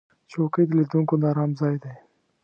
چوکۍ د لیدونکو د آرام ځای دی.